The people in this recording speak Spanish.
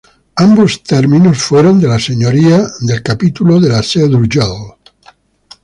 Ambos terminos fueron de la señoría del capítulo de la Seo de Urgell.